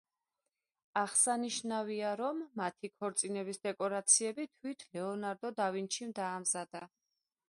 აღსანიშნავია, რომ მათი ქორწილის დეკორაციები თვით ლეონარდო და ვინჩიმ დაამზადა.